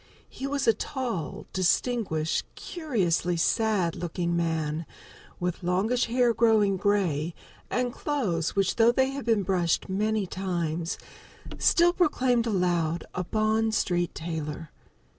He was a tall, distinguished, curiously sad looking man, with longish hair growing gray, and clothes which, though they had been brushed many times, still proclaimed aloud a Bond Street tailor.